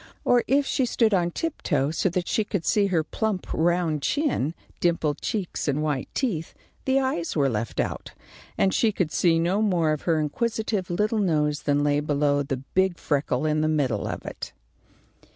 Or if she stood on tiptoe so that she could see her plump round chin, dimpled cheeks, and white teeth, the eyes were left out, and she could see no more of her inquisitive little nose than lay below the big freckle in the middle of it.